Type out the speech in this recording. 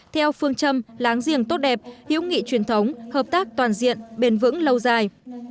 theo phương châm láng giềng tốt đẹp hữu nghị truyền thống hợp tác toàn diện bền vững lâu dài